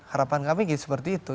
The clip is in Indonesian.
harapan kami seperti itu